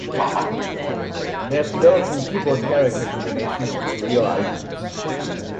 They have developed from keyboard character combinations into real icons.